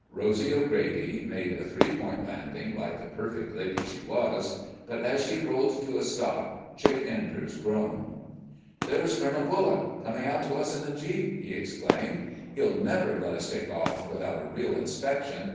Rosy O'Grady made a three point landing, like the perfect lady she was, but as she rolled to a stop, Chick Enders groaned. "There's Colonel Bullock coming out to us in the jeep!" he exclaimed. "He'll never let us take off without a real inspection.